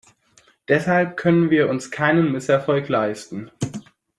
Deshalb können wir uns keinen Misserfolg leisten.